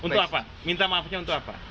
untuk apa minta maafnya untuk apa